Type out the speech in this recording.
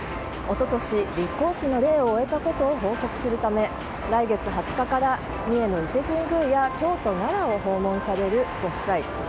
一昨年、立皇嗣の礼を終えたことを報告するため来月２０日から三重の伊勢神宮や京都、奈良を訪問されるご夫妻。